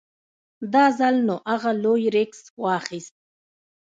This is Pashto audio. دا ځل نو اغه لوی ريسک واخېست.